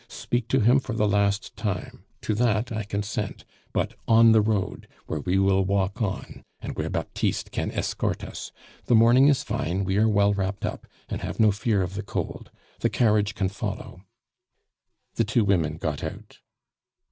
Speak to him for the last time to that I consent; but on the road, where we will walk on, and where Baptiste can escort us. The morning is fine, we are well wrapped up, and have no fear of the cold. The carriage can follow." The two women got out.